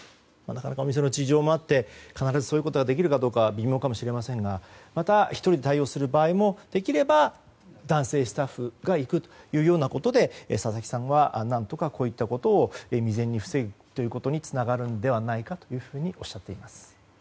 なかなかお店の事情もあって必ずそういうことができるかどうか微妙かもしれませんがまた、１人で対応する場合もできれば男性スタッフが行くというようなことで佐々木さんは何とかこういったことで未然に防ぐことにつながるのではないかとおっしゃっています。